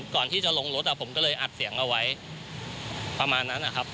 ก่อนที่จะลงรถผมก็เลยอัดเสียงเอาไว้ประมาณนั้นนะครับ